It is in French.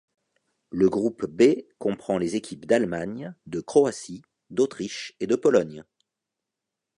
Le groupe B comprend les équipes d'Allemagne, de Croatie, d'Autriche et de Pologne.